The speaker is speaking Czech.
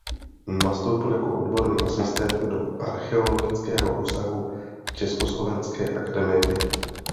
Nastoupil jako odborný asistent do Archeologického ústavu Československé akademie věd.